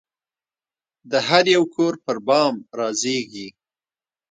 د هریو کور پربام رازیږې